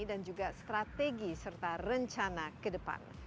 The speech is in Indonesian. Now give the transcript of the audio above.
dan juga strategi serta rencana ke depan